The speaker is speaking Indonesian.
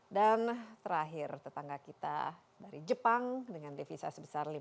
dan terakhir tetangga kita dari jepang dengan devisa sebesar lima ratus sembilan puluh tujuh juta dolar